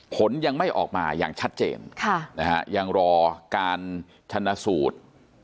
ผลยังไม่ออกมาอย่างชัดเจนยังรอการชนะสูตร